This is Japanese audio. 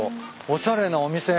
おしゃれなお店。